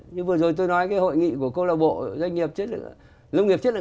như vừa rồi tôi nói cái hội nghị của câu lạc bộ doanh nghiệp chất lượng cao đấy